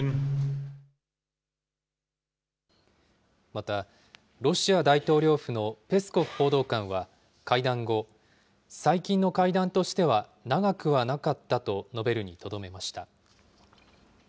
また、ロシア大統領府のペスコフ報道官は会談後、最近の会談としては長くはなかったと述べるにとどめました。